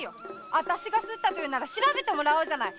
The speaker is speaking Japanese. あたしがすったというなら調べてもらおうじゃない。